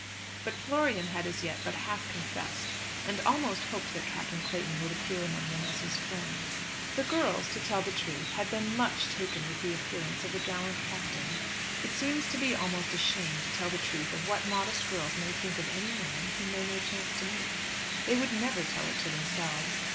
But Florian had as yet but half confessed, and almost hoped that Captain Clayton would appear among them as his friend. The girls, to tell the truth, had been much taken with the appearance of the gallant Captain. It seems to be almost a shame to tell the truth of what modest girls may think of any man whom they may chance to meet. They would never tell it to themselves.